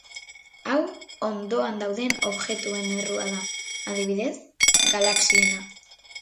Hau hondoan dauden objektuen errua da, adibidez, galaxiena.